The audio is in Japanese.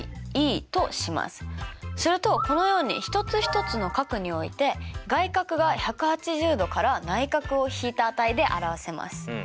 するとこのように一つ一つの角において外角が１８０°から内角を引いた値で表せます。